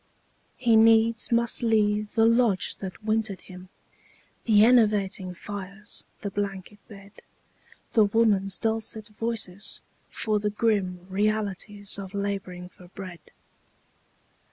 He needs must leave the lodge that wintered him, The enervating fires, the blanket bed The women's dulcet voices, for the grim Realities of labouring for bread.